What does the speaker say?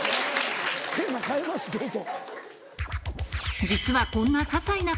テーマ変えますどうぞ。